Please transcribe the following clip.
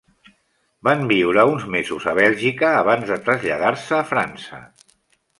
Van viure uns mesos a Bèlgica abans de traslladar-se a França.